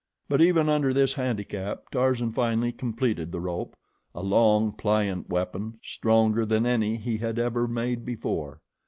But even under this handicap Tarzan finally completed the rope, a long, pliant weapon, stronger than any he ever had made before.